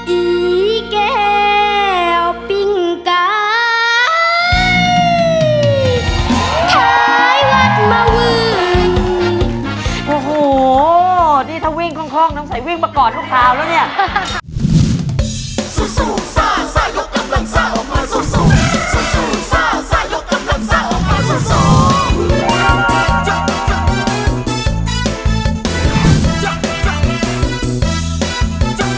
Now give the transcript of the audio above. อีแก้วปิ้งกายท้ายวัดเมือง